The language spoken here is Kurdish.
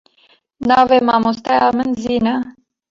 Navê mamosteya min Zîn e.